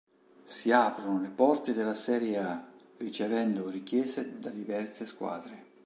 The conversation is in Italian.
Si aprono le porte della Serie A ricevendo richieste da diverse squadre.